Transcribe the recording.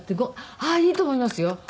ああーいいと思いますよ。